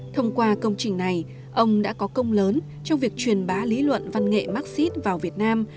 thông qua công trình này ông đã có công lớn trong việc truyền bá lý luận văn nghệ marxist vào việt nam